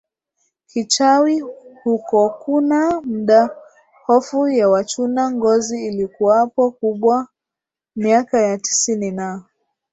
kichawi hukoKuna muda hofu ya wachuna ngozi ilikuwapo kubwa miaka ya tisini na